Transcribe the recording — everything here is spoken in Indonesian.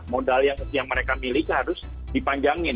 modal yang mereka miliki harus dipanjangin